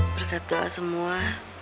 berkat doa semua